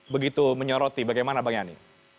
begitu menyoroti bagaimana bang yani